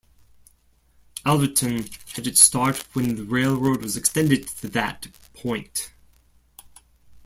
Alvordton had its start when the railroad was extended to that point.